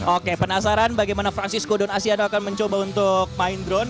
oke penasaran bagaimana francisco dan asyano akan mencoba untuk main drone